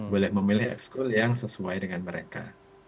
boleh memilih school yang sesuai dengan mereka